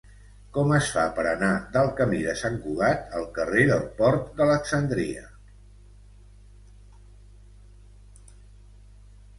Com es fa per anar del camí de Sant Cugat al carrer del Port d'Alexandria?